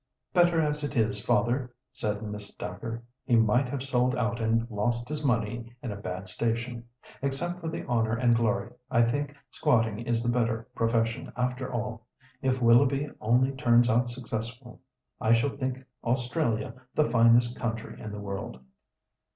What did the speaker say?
"Better as it is, father," said Miss Dacre; "he might have sold out and lost his money in a bad station. Except for the honour and glory, I think squatting is the better profession, after all; if Willoughby only turns out successful, I shall think Australia the finest country in the world."